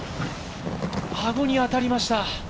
アゴに当たりました！